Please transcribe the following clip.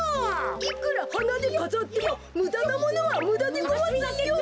いくらはなでかざってもむだなものはむだでごわすよ。